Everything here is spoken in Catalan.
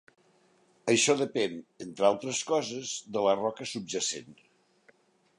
Això depèn, entre altres coses, de la roca subjacent.